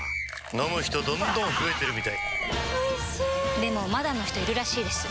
飲む人どんどん増えてるみたいおいしでもまだの人いるらしいですよ